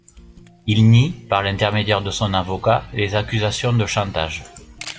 Il nie, par l'intermédiaire de son avocat, les accusations de chantage.